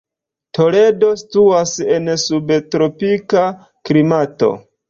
Toledo situas en subtropika klimato.